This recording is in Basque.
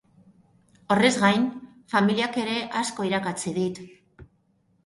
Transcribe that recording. Horrez gain, familiak ere asko irakatsi dit.